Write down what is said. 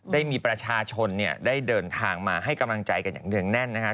ได้มีประชาชนเนี่ยได้เดินทางมาให้กำลังใจกันอย่างเนื่องแน่นนะครับ